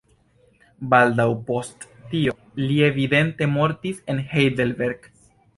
Baldaŭ post tio li evidente mortis en Heidelberg.